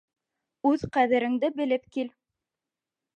Үҙ ҡәҙереңде белеп кил.